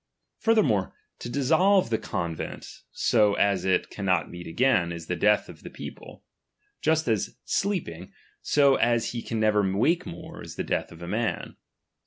I*'urthermore, to dissolve the convent, so as it can Xiot meet again, is the death of the people ; just as sleeping, so as he can never wake more, is the death <^f a man.